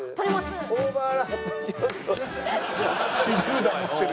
オーバーラップちょっと。